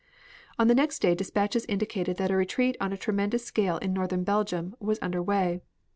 On the next day dispatches indicated that a retreat on a tremendous scale in northern Belgium was under way.